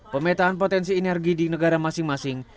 pemetaan potensi energi di negara masing masing